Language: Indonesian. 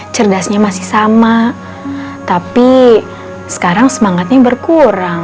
cerdasnya masih sama tapi sekarang semangatnya berkurang